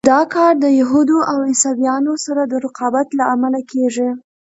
دا کار د یهودو او عیسویانو سره د رقابت له امله کېږي.